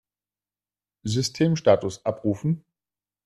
Systemstatus abrufen!